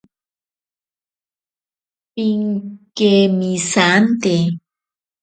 Pinkemesante.